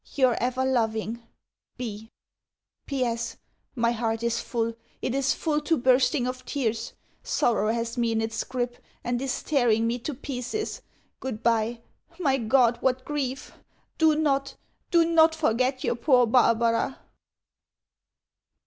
Your ever loving B. P.S. My heart is full! It is full to bursting of tears! Sorrow has me in its grip, and is tearing me to pieces. Goodbye. My God, what grief! Do not, do not forget your poor Barbara!